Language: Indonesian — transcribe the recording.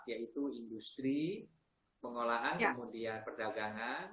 yaitu industri pengolahan kemudian perdagangan